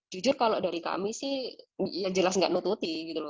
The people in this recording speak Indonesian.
jujur kalau dari kami sih jelas nggak menutupi